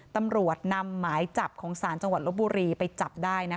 ตำรวจนำหมายจับของศาลจังหวัดลบบุรีไปจับได้นะคะ